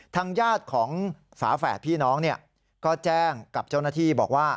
ทางญาติของฝาแฝดพี่น้องก็แจ้งกับเจ้าหน้าที่บอกว่า